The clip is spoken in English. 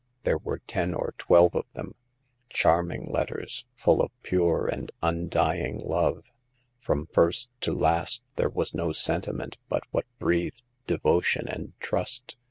There were ten or twelve of them— charming letters, full of pure and undying love. From first to last there was no sentiment but what breathed devotion and trust.